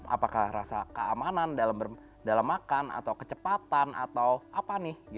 apakah rasa keamanan dalam makan atau kecepatan atau apa nih